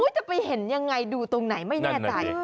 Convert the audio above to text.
จะไปเห็นยังไงดูตรงไหนไม่แน่ใจ